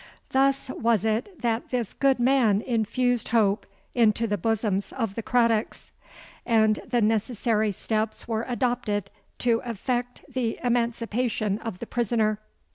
Thus was it that this good man infused hope into the bosoms of the Craddocks; and the necessary steps were adopted to effect the emancipation of the prisoner.